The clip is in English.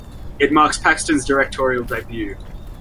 It marks Paxton's directorial debut.